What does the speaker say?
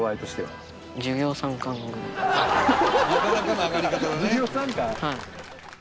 はい。